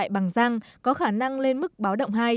bằng răng có khả năng lên mức báo động hai